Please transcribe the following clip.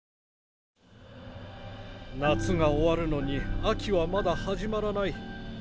夏が終わるのに秋はまだ始まらない。